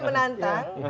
jadi dia menantang